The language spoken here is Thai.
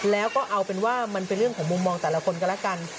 แล้วก็เอาเป็นว่ามันเป็นเรื่องของมุมมองแต่ละคนก็แล้วกัน